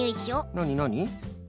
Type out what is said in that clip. なになに？